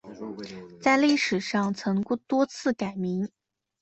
在历史上曾多次改名。